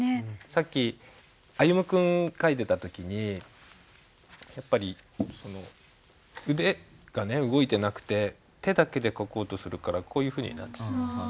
さっき歩夢君書いてた時にやっぱり筆が動いてなくて手だけで書こうとするからこういうふうになってた。